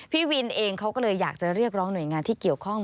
พี่วินเองเขาก็เลยอยากจะเรียกร้องหน่วยงานที่เกี่ยวข้อง